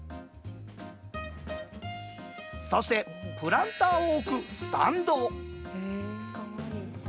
そしてプランターを置くスタンド。